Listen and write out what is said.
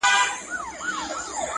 د آس لغته آس زغمي -